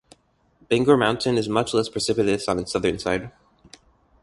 Bangor Mountain is much less precipitous on its southern side.